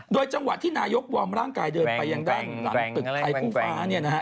โดยจังหวะที่นายกวอร์มร่างกายเดินไปยังด้านหลังตึกไทยคู่ฟ้า